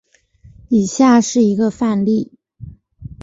以下是一个范例。